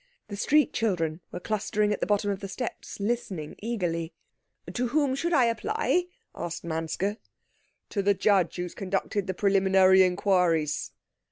The street children were clustering at the bottom of the steps, listening eagerly. "To whom should I apply?" asked Manske. "To the judge who has conducted the preliminary inquiries."